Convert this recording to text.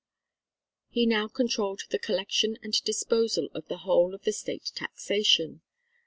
He now controlled the collection and disposal of the whole of the State taxation.